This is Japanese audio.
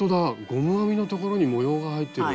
ゴム編みのところに模様が入ってる。